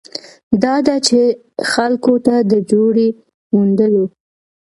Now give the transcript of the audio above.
دا ده چې خلکو ته د جوړې موندلو